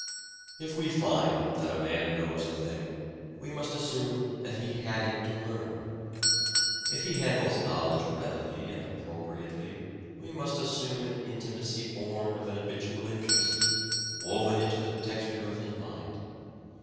^ we ^nc^ *nat a man ^nows a thing we must assume pieces. that he had it to learn. If he handles his knowledge readily and appropriately we must assume an intimacy born of an habitual interest, woven into the texture of his mind.